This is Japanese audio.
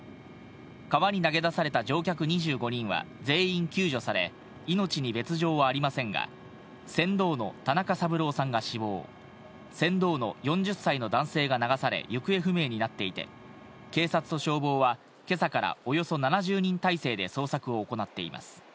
川に投げ出された乗客２５人は全員救助され、命に別条はありませんが、船頭の田中三郎さんが死亡、船頭の４０歳の男性が流され行方不明になっていて、警察と消防は今朝からおよそ７０人態勢で捜索を行っています。